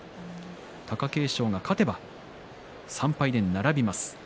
貴景勝が勝てば３敗で並びます。